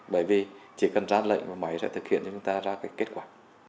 bởi vì chỉ cần ra lệnh và máy sẽ thực hiện cho chúng ta ra kết quả